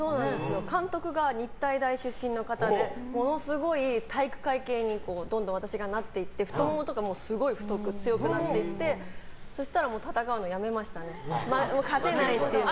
監督が日体大出身の方でものすごい体育会系にどんどん私がなっていって太ももとかすごい強くなっていってそうしたら、戦うのやめましたね勝てないっていうので。